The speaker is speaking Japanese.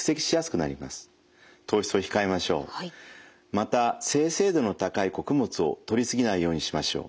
また精製度の高い穀物をとり過ぎないようにしましょう。